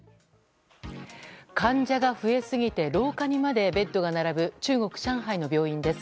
患者が増えすぎて廊下にまでベッドが並ぶ中国・上海の病院です。